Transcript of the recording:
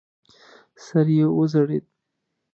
سر یې وځړېد.